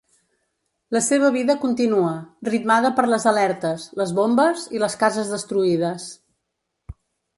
La seva vida continua, ritmada per les alertes, les bombes, i les cases destruïdes.